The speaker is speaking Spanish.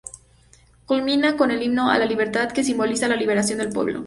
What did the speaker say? Culmina con el himno a la libertad que simboliza la liberación del pueblo.